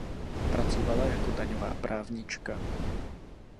Pracovala jako daňová právnička.